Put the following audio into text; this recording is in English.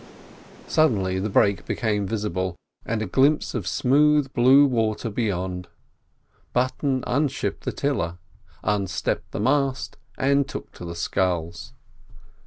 Suddenly the break became visible, and a glimpse of smooth, blue water beyond. Mr Button unshipped the tiller, unstepped the mast, and took to the sculls.